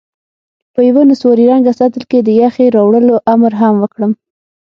په یوه نسواري رنګه سطل کې د یخې راوړلو امر هم وکړم.